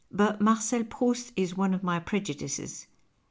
But Marcel Proust is one of my preju dices.